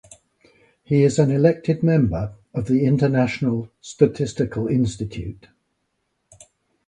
He is an elected member of the International Statistical Institute.